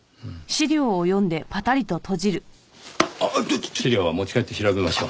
資料は持ち帰って調べましょう。